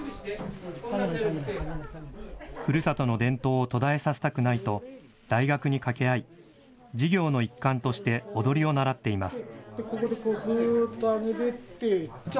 ふるさとの伝統を途絶えさせたくないと、大学に掛け合い、授業の一環として踊りを習っています。